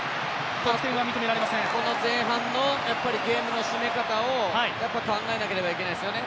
前半のゲームの締め方を考えなきゃいけないですよね。